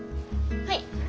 はい。